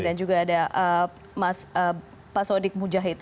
dan juga ada pak sodik mujahid